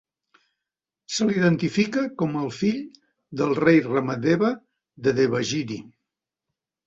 Se l'identifica com el fill del rei Ramadeva de Devagiri.